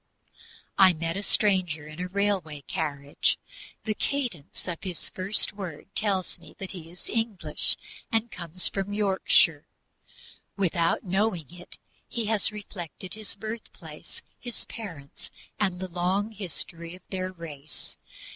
I meet a stranger in a railway carriage. The cadence of his first words tells me he is English and comes from Yorkshire. Without knowing it he has reflected his birthplace, his parents, and the long history of their race.